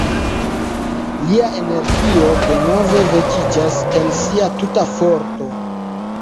Lia energio denove vekiĝas en sia tuta forto.